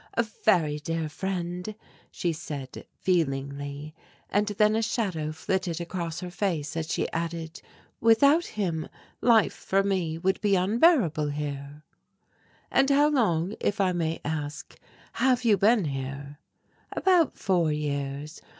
"A very dear friend," she said feelingly, and then a shadow flitted across her face as she added, "Without him life for me would be unbearable here." "And how long, if I may ask, have you been here?" "About four years.